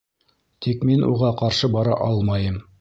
Тик мин уға ҡаршы бара алмайым.